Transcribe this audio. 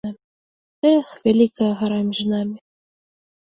Эх, вялікая гара між намі.